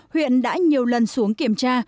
huyện đã nhiều lần xuống kiểm tra